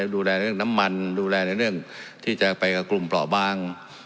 ดูแลเรื่องน้ำมันดูแลในเรื่องที่จะไปกับกลุ่มเปราะบาง